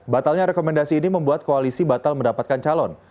batalnya rekomendasi ini membuat koalisi batal mendapatkan calon